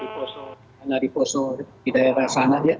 di sana di poso di daerah sana